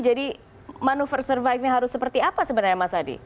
jadi manuver survive nya harus seperti apa sebenarnya mas hadi